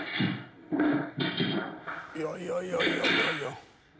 いやいやいやいやいやいや。